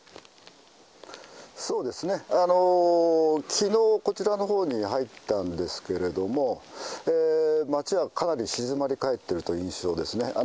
そうですね、きのう、こちらのほうに入ったんですけれども、街はかなり静まり返っているという印象ですね。